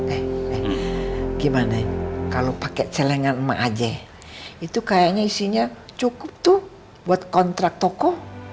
eh gimana kalau pakai celengan emak aja itu kayaknya isinya cukup tuh buat kontrak toko